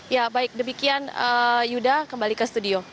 ya baik demikian yuda kembali ke studio